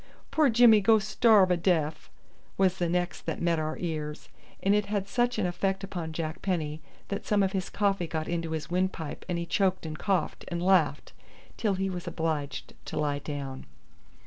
"Poor Jimmy go starve a deff," was the next that met our ears, and it had such an effect upon Jack Penny that some of his coffee got into his windpipe and he choked and coughed and laughed till he was obliged to lie down.